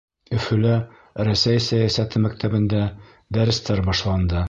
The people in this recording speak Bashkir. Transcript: Өфөлә Рәсәй сәйәсәте мәктәбендә дәрестәр башланды.